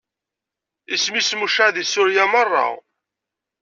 Isem-is mucaɛ di Surya meṛṛa.